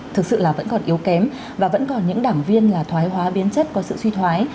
thực sự là vẫn còn yếu kém và vẫn còn những đảng viên là thoái hóa biến chất có sự suy thoái